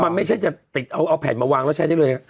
มันไม่ใช่จะติดเอาแผ่นมาวางแล้วใช้ได้เลย